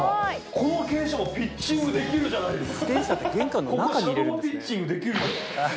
この形状ピッチングできるじゃないですか。